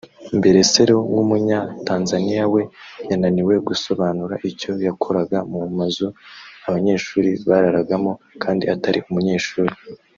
Mberesero w’Umunyatanzaniya we yananiwe gusobanura icyo yakoraga mu mazu abanyeshuri bararagamo kandi atari umunyeshuri